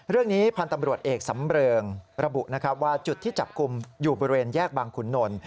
เรื่องนี้พันธ์ตำรวจเอกสำเริงระบุนะครับว่าจุดที่จับกลุ่มอยู่บริเวณแยกบางขุนนล